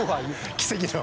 奇跡の。